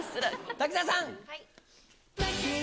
滝沢さん。